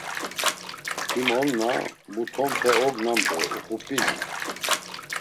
Him on na mutonpe ognam do uxup̌inam.